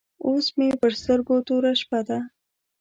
اوس مې پر سترګو توره شپه ده.